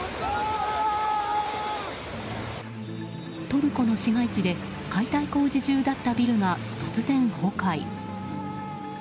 トルコの市街地で解体工事中だったビルが突然崩壊。